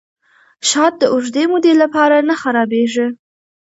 شات د اوږدې مودې لپاره نه خرابیږي.